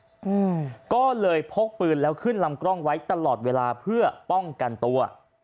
อืมก็เลยพกปืนแล้วขึ้นลำกล้องไว้ตลอดเวลาเพื่อป้องกันตัว